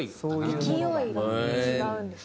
勢いが違うんですね。